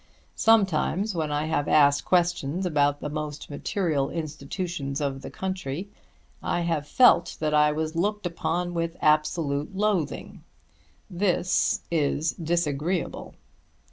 Sometimes, when I have asked questions about the most material institutions of the country, I have felt that I was looked upon with absolute loathing. This is disagreeable.